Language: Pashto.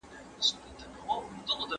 ستوري خالونه، په تندو که د وطن ده ښکلو